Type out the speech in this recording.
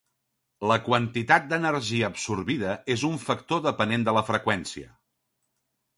La quantitat d'energia absorbida és un factor depenent de la freqüència.